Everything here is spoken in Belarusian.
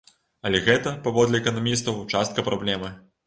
Але гэта, паводле эканамістаў, частка праблемы.